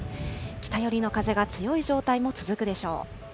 北寄りの風が強い状態も続くでしょう。